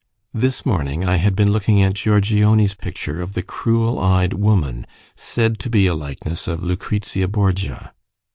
This morning I had been looking at Giorgione's picture of the cruel eyed woman, said to be a likeness of Lucrezia Borgia.